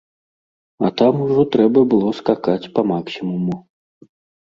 А там ужо трэба было скакаць па-максімуму.